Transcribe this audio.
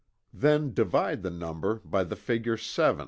Then divide the number by the figure "7."